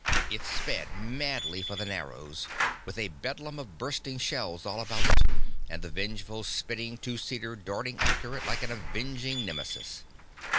It sped madly for the Narrows, with a bedlam of bursting shells all about it and the vengeful, spitting two seater darting after it like an avenging Nemesis.